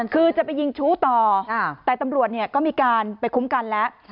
คือจะไปยิงชู้ต่อแต่ตำรวจก็มีการไปคุ้มกันแล้ว